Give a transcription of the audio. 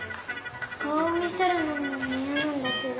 顔を見せるのもいやなんだけど。